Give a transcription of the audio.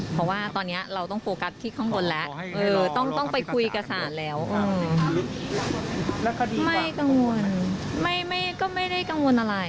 หลังจากนึกความจริงแต่แล้วว่ารู้สึกอย่างนี้ก็คง